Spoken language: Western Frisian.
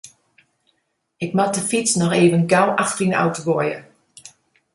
Ik moast de fyts noch even gau achter yn de auto goaie.